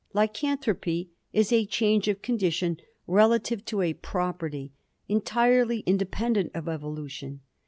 Lycanthropy is a change of condition relative to a property, entirely independent of evolution.